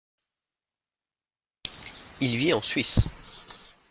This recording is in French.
Il vit en Suisse.